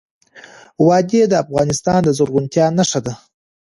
وادي د افغانستان د زرغونتیا نښه ده.